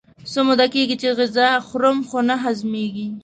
څه موده کېږي چې غذا خورم خو نه هضمېږي.